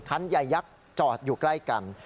คันใหญ่ยักษ์จอดอยู่ใกล้กัน